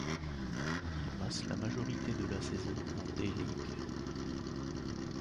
Il passe la majorité de la saison en D-League.